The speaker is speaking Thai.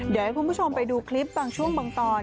เดี๋ยวให้คุณผู้ชมไปดูคลิปบางช่วงบางตอน